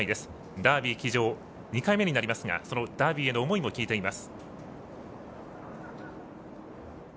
ダービー騎乗２回目になりますがダービーへの思いも聞いています。